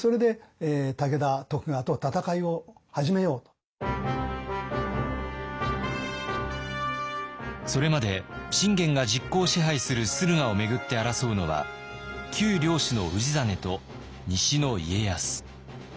その時にそれまで信玄が実効支配する駿河を巡って争うのは旧領主の氏真と西の家康。